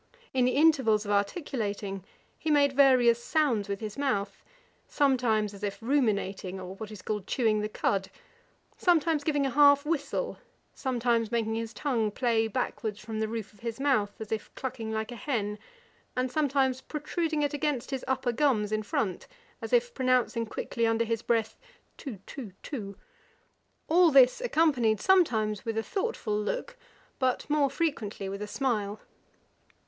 In the intervals of articulating he made various sounds with his mouth, sometimes as if ruminating, or what is called chewing the cud, sometimes giving a half whistle, some times making his tongue play backwards from the roof of his mouth, as if clucking like a hen, and sometimes protruding it against his upper gums in front, as if pronouncing quickly under his breath, too, too, too: all this accompanied sometimes with a thoughtful look, but more frequently with a smile.